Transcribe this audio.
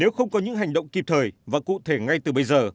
nếu không có những hành động kịp thời và cụ thể ngay từ bây giờ